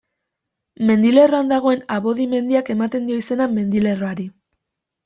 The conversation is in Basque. Mendilerroan dagoen Abodi mendiak ematen dio izena mendilerroari.